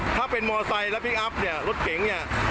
ถ้าเป็นมอเตอร์ไซค์และพลิกอัพรถเก๋งนี่